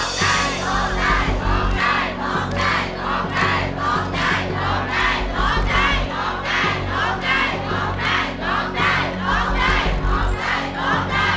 เพลงที่หนึ่งนะครับอุณหภาษา๓๐๐๐บาท